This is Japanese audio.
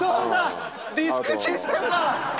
ディスクシステムだ！